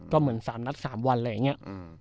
ก็เหมือน๓นัด๓วันอะไรอย่างนี้